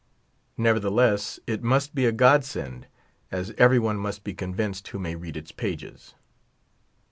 Nevertheless it must be a God send, as every one must be convinced who may read its pages.